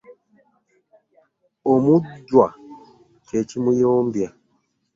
omujjwa kye kimuyombya .